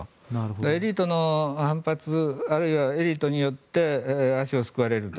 エリートの反発あるいはエリートによって足をすくわれると。